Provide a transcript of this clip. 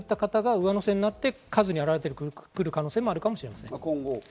そういった方が上乗せになって数に表れてくる可能性があるかもしれません。